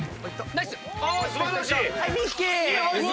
ナイス！